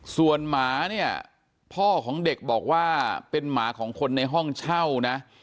ส่วนหมาเนี่ยพ่อของเด็กบอกว่าเป็นหมาของคนในห้องเช่านะ